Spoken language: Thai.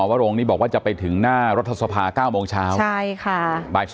บ่าย๒จะไปต่อใช่ไหมคะ